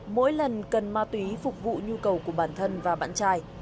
mỗi lần cần ma túy phục vụ nhu cầu của bản thân và bạn trai